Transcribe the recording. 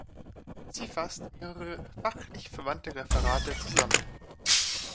Sie fasst mehrere fachlich verwandte Referate zusammen.